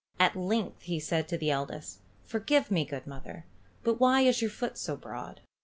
At length he said to the eldest, "Forgive me, good mother, but why is your foot so broad?"